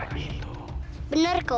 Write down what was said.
kau paman aku akan mengajarkan